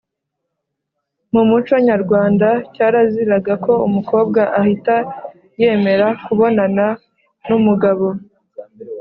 Mu muco nyarwanda cyaraziraga ko umukobwa ahita yemera kubonana n’umugabo